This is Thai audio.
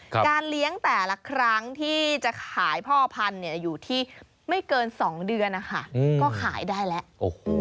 การเลี้ยงแต่ละครั้งที่จะขายพ่อพันธุ์อยู่ที่ไม่เกิน๒เดือนนะคะก็ขายได้แล้ว